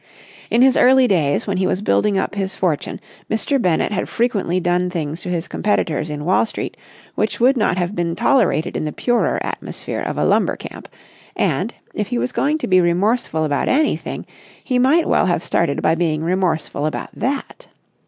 In his early days, when he was building up his fortune, Mr. Bennett had frequently done things to his competitors in Wall Street which would not have been tolerated in the purer atmosphere of a lumber camp, and, if he was going to be remorseful about anything, he might well have started by being remorseful about that.